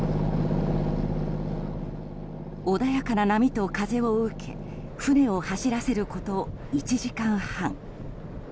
穏やかな波と風を受け船を走らせること１時間半。